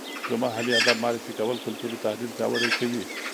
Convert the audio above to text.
د محلي ادب معرفي کول کلتوري تحلیل پیاوړی کوي.